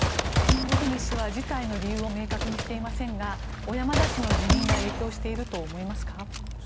のぶみ氏は辞退の理由を明確にしていませんが小山田氏の辞任が影響していると思いますか？